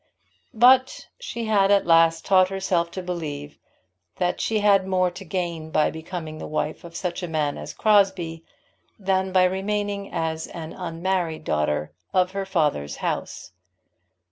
But she had at last taught herself to believe that she had more to gain by becoming the wife of such a man as Crosbie than by remaining as an unmarried daughter of her father's house.